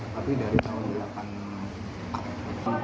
tapi dari tahun seribu sembilan ratus delapan puluh empat